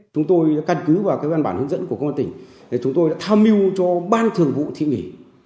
chúng tôi đã căn cứ vào cái văn bản hướng dẫn của công an tỉnh để chúng tôi đã tham mưu cho ban thường vụ thị nghỉ